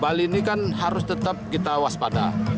bali ini kan harus tetap kita waspada